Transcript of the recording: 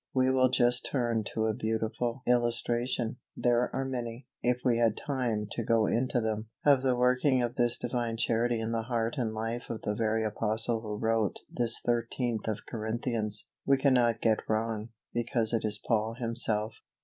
We will just turn to a beautiful illustration (there are many, if we had time to go into them) of the working of this Divine Charity in the heart and life of the very apostle who wrote this 13th of Corinthians. We cannot get wrong, because it is Paul himself.